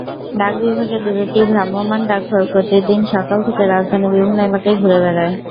ডাক বিভাগের দুটি ভ্রাম্যমাণ ডাকঘর প্রতিদিন সকাল থেকে রাজধানীর বিভিন্ন এলাকায় ঘুরে বেড়ায়।